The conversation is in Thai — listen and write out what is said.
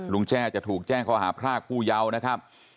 แจ้จะถูกแจ้งข้อหาพรากผู้เยาว์นะครับ